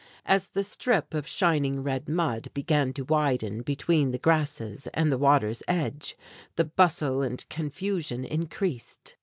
As the strip of shining red mud began to widen between the grasses and the water's edge, the bustle and confusion increased.